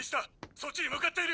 そっちに向かっている！